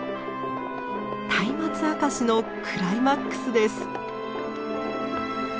「松明あかし」のクライマックスです。